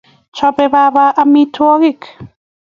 Chobe baba amitwogik